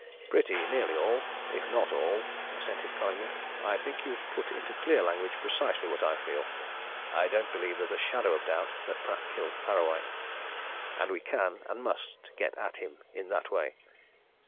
"Pretty nearly all if not all," assented Collingwood. "I think you've put into clear language precisely what I feel. I don't believe there's a shadow of doubt that Pratt killed Parrawhite! And we can and must get at him in that way.